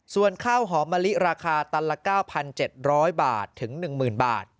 ส่วนข้าวหอมมะลิราคาตันละ๙๗๐๐บาทถึง๑๐๐๐บาท